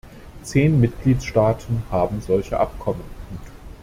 Zehn Mitgliedstaaten haben solche Abkommen.